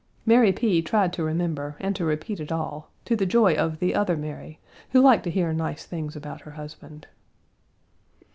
Mary P. tried to remember, and to repeat it all, to the joy of the other Mary, who liked to hear nice things about her husband.